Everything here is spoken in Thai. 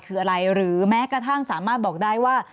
คืออะไรหรือแม้กระทั่งสามารถบอกได้ว่า